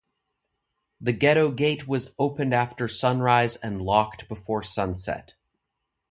The ghetto gate was opened after sunrise and locked before sunset.